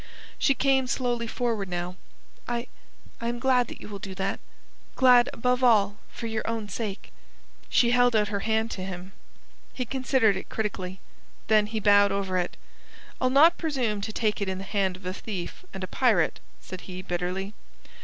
She came slowly forward now. "I... I am glad that you will do that. Glad, above all, for your own sake." She held out her hand to him. He considered it critically. Then he bowed over it. "I'll not presume to take it in the hand of a thief and a pirate," said he bitterly.